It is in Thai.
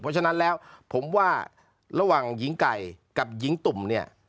เพราะฉะนั้นแล้วผมว่าระหว่างหญิงไก่กับหญิงตุ่มเนี่ย